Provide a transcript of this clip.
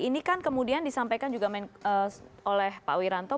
ini kan kemudian disampaikan juga oleh pak wiranto